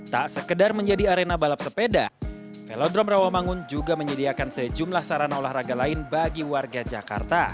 tak sekedar menjadi arena balap sepeda velodrome rawamangun juga menyediakan sejumlah sarana olahraga lain bagi warga jakarta